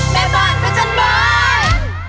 แม่บ้านพระจันทร์บ้าน